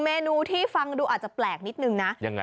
แมนูที่ฟังดูอาจจะแปลกนิดหนึ่งนะครับ